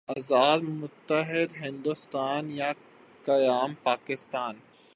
آزاد متحدہ ہندوستان یا قیام پاکستان؟